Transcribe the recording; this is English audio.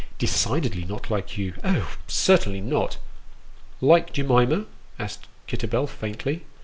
" Decidedly not like you. Oh, certainly not." " Like Jemima ?" asked Kitterbell, faintly.